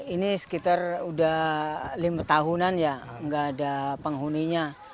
ini sekitar udah lima tahunan ya nggak ada penghuninya